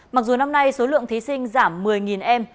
mặc dù năm nay số lượng thí sinh giảm một mươi em